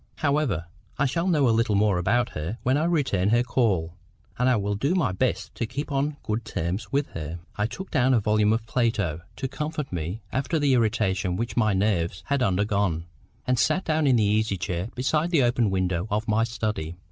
However, I shall know a little more about her when I return her call, and I will do my best to keep on good terms with her." I took down a volume of Plato to comfort me after the irritation which my nerves had undergone, and sat down in an easy chair beside the open window of my study.